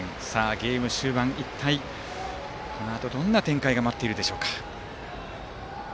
ゲーム終盤、一体このあとどんな展開が待っているでしょう。